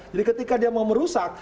jadi ketika dia mau merusak